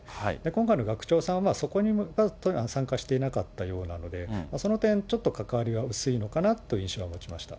今回の学長さんは、そこには参加していなかったようなので、その点、ちょっと関わりが薄いのかなという印象は持ちました。